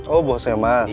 oh bosnya mas